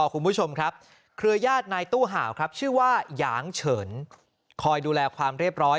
คุณผู้ชมครับเครือญาตินายตู้ห่าวครับชื่อว่าหยางเฉินคอยดูแลความเรียบร้อย